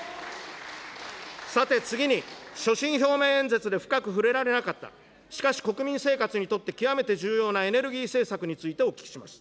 さて、次に所信表明演説で深く触れられなかった、しかし国民生活にとって、極めて重要なエネルギー政策についてお聞きします。